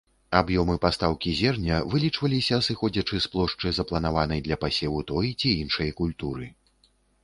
Аб'ёмы пастаўкі зерня вылічваліся, сыходзячы з плошчы, запланаванай для пасеву той ці іншай культуры.